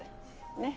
ねっ？